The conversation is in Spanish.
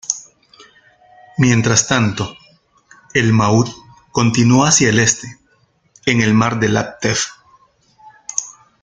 Mientras tanto, el "Maud" continuó hacia el este en el mar de Láptev.